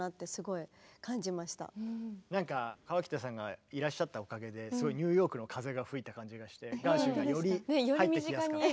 河北さんがいらっしゃったおかげですごいニューヨークの風が吹いた感じがしてガーシュウィンがより入ってきやすかった。